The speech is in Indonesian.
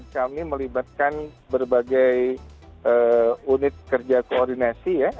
kami melibatkan berbagai unit kerja koordinasi ya